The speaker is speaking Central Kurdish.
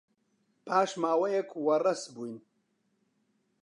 پاش ماوەیەک وەڕەس بووین.